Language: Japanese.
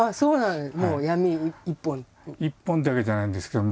もう闇一本？一本ってわけじゃないんですけど。